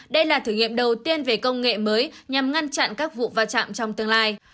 đây là thử nghiệm đầu tiên về công nghệ mới nhằm ngăn chặn các vụ va chạm trong tương lai